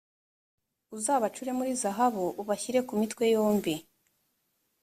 uzabacure muri zahabu ubashyire ku mitwe yombi